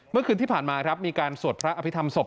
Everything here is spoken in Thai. เมื่อคืนที่ผ่านมาครับมีการสวดพระอภิษฐรรศพ